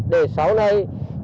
để sau này